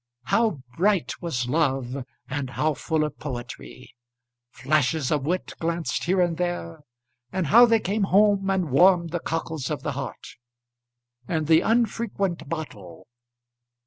How bright was love, and how full of poetry! Flashes of wit glanced here and there, and how they came home and warmed the cockles of the heart. And the unfrequent bottle!